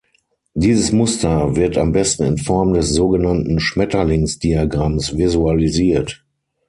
Dieses Muster wird am besten in Form des sogenannten Schmetterlingsdiagramms visualisiert.